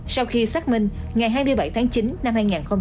sau khi xác minh ngày hai mươi bảy tháng chín năm hai nghìn hai mươi ba